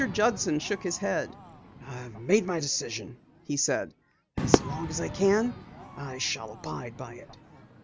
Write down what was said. Judson shook his head. "I have made my decision," he said. "As long as I can, I shall abide by it."